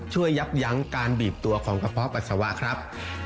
ยับยั้งการบีบตัวของกระเพาะปัสสาวะครับ